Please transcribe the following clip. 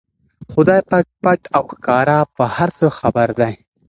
خدای پاک پټ او ښکاره په هر څه خبر دی.